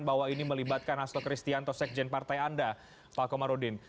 bahwa ini melibatkan hasto kristianto sekjen partai anda pak komarudin